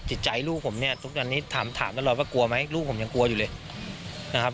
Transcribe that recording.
จิตใจลูกผมเนี่ยทุกวันนี้ถามตลอดว่ากลัวไหมลูกผมยังกลัวอยู่เลยนะครับ